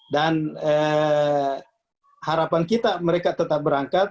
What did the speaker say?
dan harapan kita mereka tetap berangkat